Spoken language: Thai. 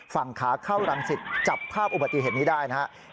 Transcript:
ฝั่งขาเข้ารังสิตจับภาพอุบัติเหตุนี้ได้นะครับ